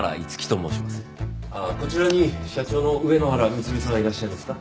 こちらに社長の上野原美鶴さんはいらっしゃいますか？